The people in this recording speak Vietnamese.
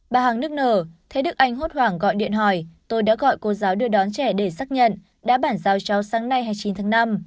bà hằng nước nở thấy đức anh hốt hoảng gọi điện hỏi tôi đã gọi cô giáo đưa đón trẻ để xác nhận đã bản giao cháu sáng nay hai mươi chín tháng năm